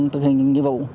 thực hiện những nhiệm vụ